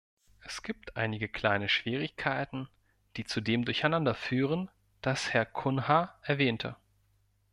Es gibt einige kleine Schwierigkeiten, die zu dem Durcheinander führen, das Herr Cunha erwähnte.